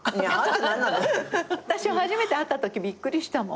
私初めて会ったときびっくりしたもん。